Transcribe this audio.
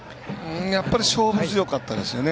やっぱり勝負強かったですよね。